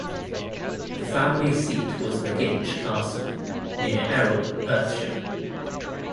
The family seat was Megginch Castle, near Erroll, Perthshire.